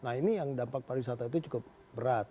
nah ini yang dampak para wisata itu cukup berat